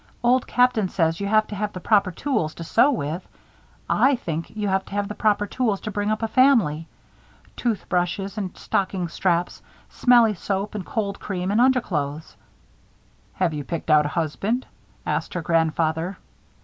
Old Captain says you have to have the proper tools to sew with. I think you have to have the proper tools to bring up a family. Tooth brushes and stocking straps, smelly soap and cold cream and underclothes." "Have you picked out a husband?" asked her grandfather.